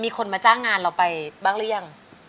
มีคนมาจ้างงานเราไปบ้างหรือยัง